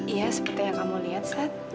iya seperti yang kamu lihat saat